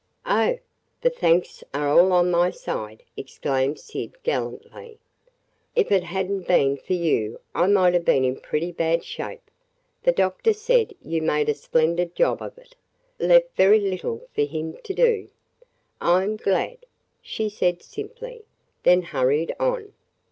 "Oh, the thanks are all on my side!" exclaimed Syd gallantly. "If it had n't been for you I might have been in pretty bad shape. The doctor said you made a splendid job of it – left very little for him to do." "I 'm glad," she said simply, then hurried on.